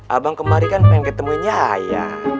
abang kemarin kan pengen ketemuinnya aja